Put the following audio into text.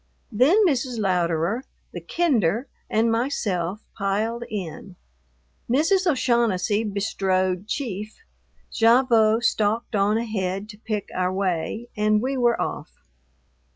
Then Mrs. Louderer, the kinder, and myself piled in; Mrs. O'Shaughnessy bestrode Chief, Gavotte stalked on ahead to pick our way, and we were off.